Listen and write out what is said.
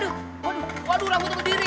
aduh aduh waduh waduh waduh langsung ketemu diri